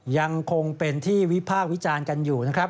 ยังคงเป็นที่วิพากษ์วิจารณ์กันอยู่นะครับ